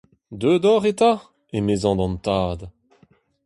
Deuet oc'h eta ? emezañ d'an tad.